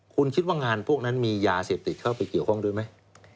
คุณคิดว่างานพวกนั้นมียาเสพติดเข้าไปเกี่ยวข้องด้วยไหม